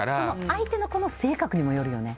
相手の子の性格にもよるよね。